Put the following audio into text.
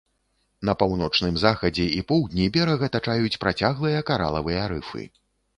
На паўночным захадзе і поўдні бераг атачаюць працяглыя каралавыя рыфы.